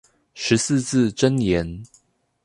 十四字真言